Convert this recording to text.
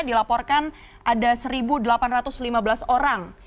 dilaporkan ada satu delapan ratus lima belas orang